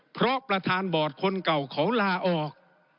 เพราะประธานบอร์ดคนเก่าเขาลาออก